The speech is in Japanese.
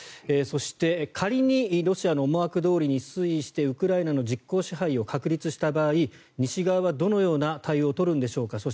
そして、仮にロシアの思惑どおりに推移してウクライナの実効支配を確立した場合西側はどのような対応を取るんでしょうか。